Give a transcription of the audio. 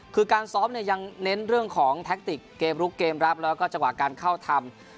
คือการซ้อมเนี่ยยังเน้นเรื่องของแท็กติกเกมลุกเกมรับแล้วก็จังหวะการเข้าทำ